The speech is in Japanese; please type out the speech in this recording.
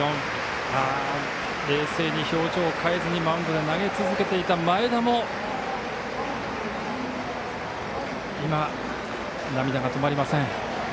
５対４、冷静に表情を変えずにマウンドで投げ続けていた前田も今、涙が止まりません。